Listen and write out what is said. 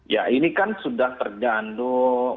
ya ini kan sudah tergandung